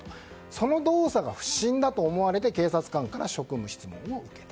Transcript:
その動作が不審だと思われて警察官から職務質問を受けた。